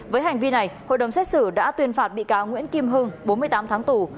với hành vi này hội đồng xét xử đã tuyên phạt bị cáo nguyễn kim hưng bốn mươi tám tháng tù